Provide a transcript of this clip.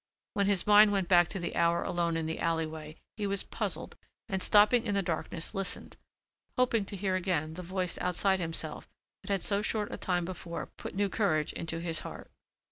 When his mind went back to the hour alone in the alleyway he was puzzled and stopping in the darkness listened, hoping to hear again the voice outside himself that had so short a time before put new courage into his heart.